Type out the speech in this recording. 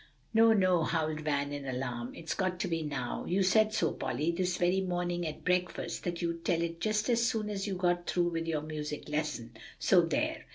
"No, no," howled Van in alarm; "it's got to be now. You said so, Polly, this very morning at breakfast, that you'd tell it just as soon as you got through with your music lesson, so there!"